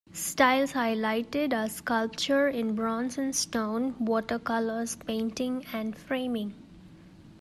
Styles highlighted are sculpture in bronze and stone, watercolors, painting, and framing.